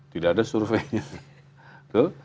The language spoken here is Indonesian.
tidak ada surveinya